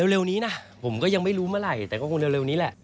เร็วนี้นะผมก็ยังไม่รู้เมื่อไหร่แต่ก็คงเร็วนี้แหละ